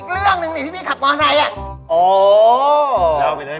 เพราะว่าเราก็ขับเร็วหน่อย